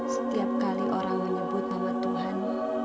setiap kali orang menyebut nama tuhan